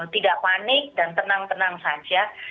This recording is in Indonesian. tidak panik dan tenang tenang saja